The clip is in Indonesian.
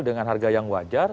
dengan harga yang wajar